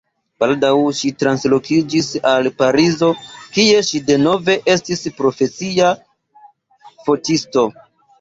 Baldaŭ ŝi translokiĝis al Parizo, kie ŝi denove estis profesia fotisto.